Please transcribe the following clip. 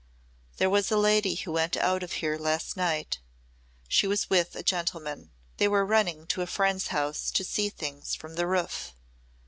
"There was a lady who went out of here last night. She was with a gentleman. They were running to a friend's house to see things from the roof.